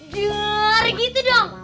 juuur gitu dong